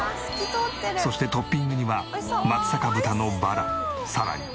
そしてトッピングには松阪豚のバラさらに